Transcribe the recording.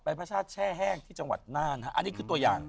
พระชาติแช่แห้งที่จังหวัดน่านฮะอันนี้คือตัวอย่าง